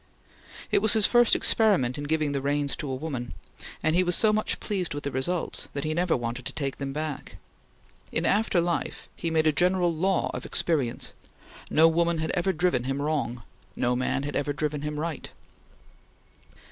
It was his first experiment in giving the reins to a woman, and he was so much pleased with the results that he never wanted to take them back. In after life he made a general law of experience no woman had ever driven him wrong; no man had ever driven him right.